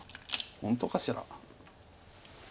本当かしら。